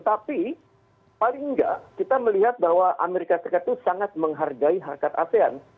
tapi paling tidak kita melihat bahwa amerika serikat itu sangat menghargai harkat asean